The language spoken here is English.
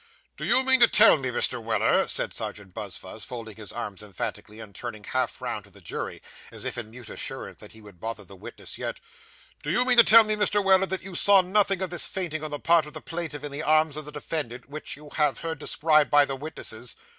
'Do you mean to tell me, Mr. Weller,' said Serjeant Buzfuz, folding his arms emphatically, and turning half round to the jury, as if in mute assurance that he would bother the witness yet 'do you mean to tell me, Mr. Weller, that you saw nothing of this fainting on the part of the plaintiff in the arms of the defendant, which you have heard described by the witnesses?